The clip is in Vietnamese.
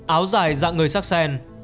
áo dài dạng người sắc sen